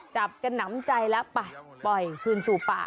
จับกันหนำใจแล้วไปปล่อยคืนสู่ป่า